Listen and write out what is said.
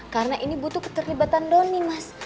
karena ini butuh keterlibatan donny mas